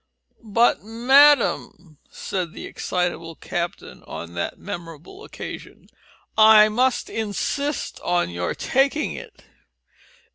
"But madam," said the excitable captain on that memorable occasion, "I must insist on your taking it.